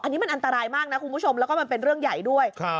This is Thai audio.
อันนี้มันอันตรายมากและถึงเป็นเรื่องใหญ่ด้วย